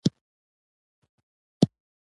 امیر غواړي خپل زورور ګاونډیان پر ضد وکاروي.